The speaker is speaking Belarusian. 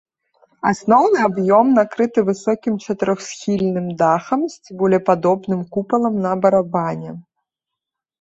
Асноўны аб'ём накрыты высокім чатырохсхільным дахам з цыбулепадобным купалам на барабане.